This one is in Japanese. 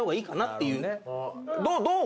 どう？